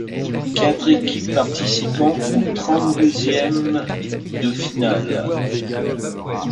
Quatre équipes participent aux trente-deuxièmes de finale.